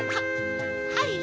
はい。